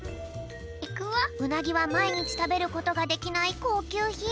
うなぎはまいにちたべることができないこうきゅうひん。